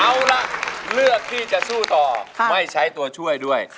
เอาล่ะเลือกที่จะสู้ต่อไม่ใช้ตัวช่วยด้วย